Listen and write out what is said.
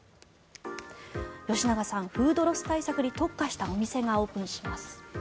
吉永さん、フードロス対策に特化したお店がオープンします。